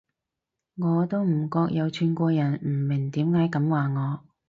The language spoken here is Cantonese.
我都唔覺有串過人，唔明點解噉話我